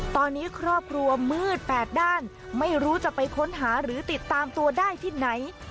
ตอนนี้ครอบครัวมืดแปดด้านไม่รู้จะไปค้นหาหรือติดตามตัวได้ที่ไหน